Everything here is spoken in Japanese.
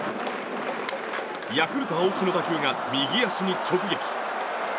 ヤクルト、青木の打球が右足に直撃。